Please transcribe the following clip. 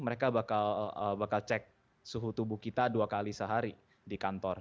mereka bakal cek suhu tubuh kita dua kali sehari di kantor